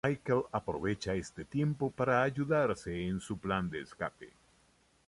Michael aprovecha este tiempo para ayudarse en su plan de escape.